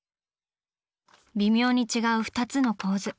微妙に違う２つの構図。